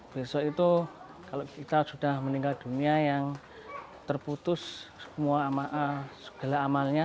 besok itu kalau kita sudah meninggal dunia yang terputus segala amalnya